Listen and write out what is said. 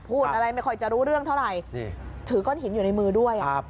พูดอะไรไม่ค่อยจะรู้เรื่องเท่าไหร่นี่ถือก้อนหินอยู่ในมือด้วย